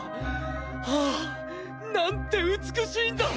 ああっなんて美しいんだ！